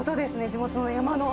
地元の山の。